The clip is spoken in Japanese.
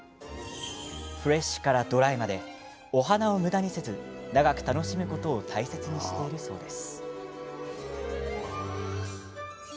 フレッシュからドライまでお花をむだにせず長く楽しむことを大切にしているそうです。